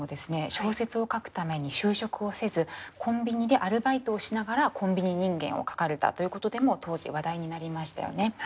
小説を書くために就職をせずコンビニでアルバイトをしながら「コンビニ人間」を書かれたということでも当時話題になりましたよね。